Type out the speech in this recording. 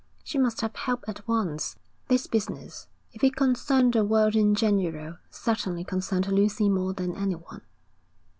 She must have help at once. This business, if it concerned the world in general, certainly concerned Lucy more than anyone.